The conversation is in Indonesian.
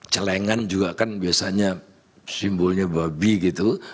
celengan juga kan biasanya simbolnya babi gitu